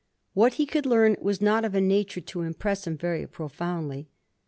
What he could learn was not of a nature to impress him very profoundly.